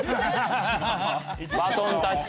バトンタッチ。